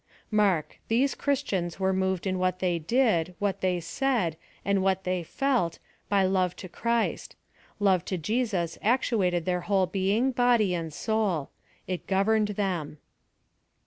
Mark — these Christians were moved in what they didj what they said, and what they/eZ^, by love to Christ : love to Jesus actuated their whole being, body and soul. It governed them.